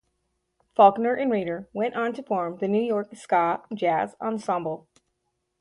Faulkner and Reiter went on to form the New York Ska Jazz Ensemble.